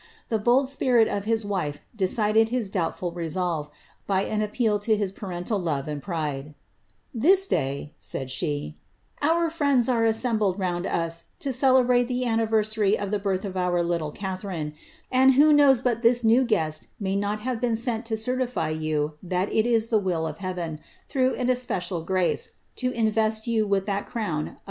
The bold spirit of his win decided liis doubtful resolve, by an appeal to his parental love and prid& '' This day,'^ said she, ^ our friends are assembled round us to cele brate tlie anniversary of the birth of our little Catharine, and who knows but this new guest may not have been sent to certify to you that it is the will of Heaven, through especial grace, to invest you with that crown ' Historia Gencalogica, Casa Real, Ponugucsa.